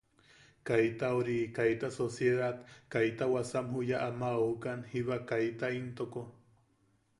Kaita ori kaita sociedad kaita wasam juya ama aukan jiba kaita intoko.